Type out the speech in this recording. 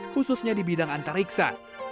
khususnya di bidang antariksa